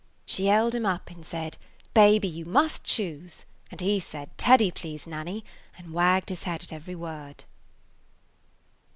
She held him up and said, 'Baby, you must choose!' and he said, 'Teddy, please, Nanny,' and wagged his head at every word."